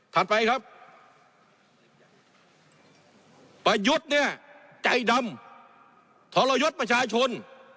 ไปครับประยุทธ์เนี่ยใจดำทรยศประชาชน